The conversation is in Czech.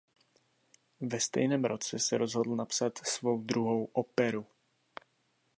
Ve stejném roce se rozhodl napsat svou druhou operu.